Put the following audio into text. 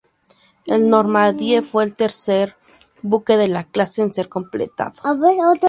El "Normandie" fue el tercer buque de la clase en ser completado.